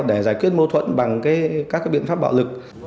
để giải quyết mâu thuẫn bằng các biện pháp bạo lực